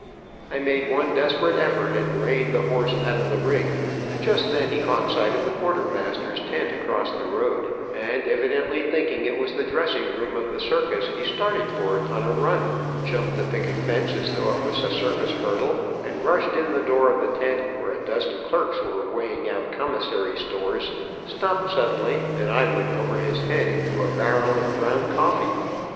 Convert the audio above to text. I made one desperate effort and reined the horse out of the ring, and just then he caught sight of the quartermaster's tent across the road, and evidently thinking it was the dressing room of the circus, he started for it on a run, jumped the picket fence as though it was a circus hurdle, and rushed in the door of the tent where a dozen clerks were weighing out commissary stores, stopped suddenly, and I went over his head, into a barrel of ground, coffee.